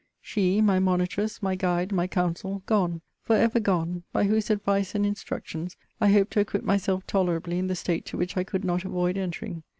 She, my monitress, my guide, my counsel, gone, for ever gone! by whose advice and instructions I hoped to acquit myself tolerably in the state to which I could not avoid entering.